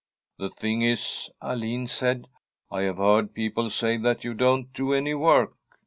* The thing is/ Alin said, ' I have heard people say that you don't do any work.